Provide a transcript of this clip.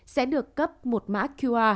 sẽ được cấp một mã qr